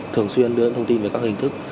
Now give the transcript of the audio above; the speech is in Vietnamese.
thường xuyên đưa thông tin về các hình thức